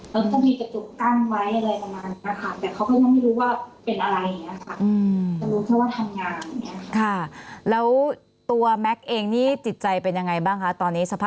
แล้วก็มีกระจกกั้นไว้อะไรประมาณนี้ค่ะแต่เขาก็ยังไม่รู้ว่าเป็นอะไรอย่างนี้ค่ะตอนนี้สภาพ